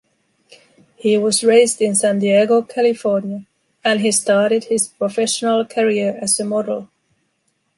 He was raised in San Diego, California and he started his professional career as a model.